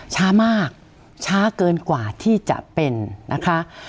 ช้ามากช้าเกินกว่าที่จะเป็นนะคะ